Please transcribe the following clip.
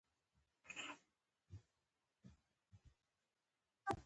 دغه بنسټونه له ملاتړه برخمن وو.